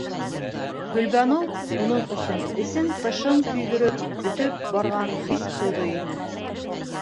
Гөлбаныу уның өсөн эсен-тышын көйҙөрөп-өтөп барған хис- тойғо ине.